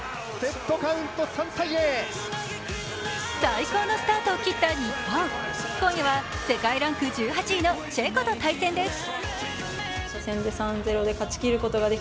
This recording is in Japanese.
最高のスタートを切った日本、今夜は世界ランク１８位のチェコと対戦です。